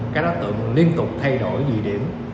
các đối tượng liên tục thay đổi vị điểm